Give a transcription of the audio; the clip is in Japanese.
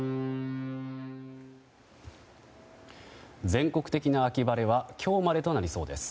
全国的な秋晴れは今日までとなりそうです。